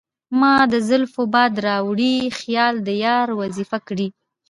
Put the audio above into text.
مــــــا د زلفو باد راوړی خیــــــال د یار وظیفه کـــــړی